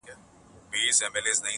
حوس مې وګوره په شان د حيوان کړے مې دے